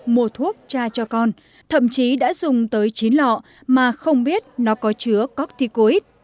mua thuốc cha cho con thậm chí đã dùng tới chín lọ mà không biết nó có chứa corticoid